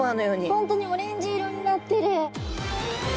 本当にオレンジ色になってる。